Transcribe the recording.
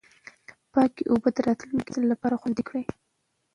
پاکې اوبه د راتلونکي نسل لپاره خوندي کړئ.